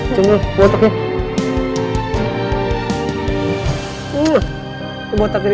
coba buat oke